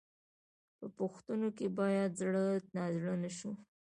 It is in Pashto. په پوښتنو کې باید زړه نازړه نه شو.